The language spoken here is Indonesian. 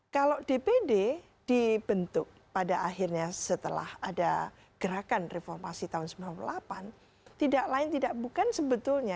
kalau dpd dibentuk pada akhirnya setelah ada gerakan reformasi tahun sembilan puluh delapan tidak lain tidak bukan sebetulnya